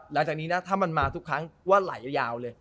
หลังจากนี้นะถ้ามันมาทุกครั้งว่าไหลยาวเลย